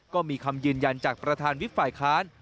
ก็มีคำยืนยันจากประธานวิทย์ฝ่ายค้าน